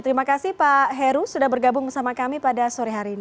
terima kasih pak heru sudah bergabung bersama kami pada sore hari ini